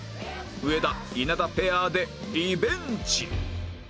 上田稲田ペアでリベンジ